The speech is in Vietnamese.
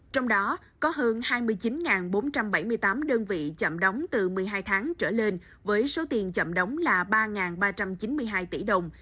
trong đó có hơn hai mươi chín bốn trăm bảy mươi tám đơn vị chậm đóng từ một mươi hai tháng trở lên với số tiền chậm đóng là ba ba trăm chín mươi hai tỷ đồng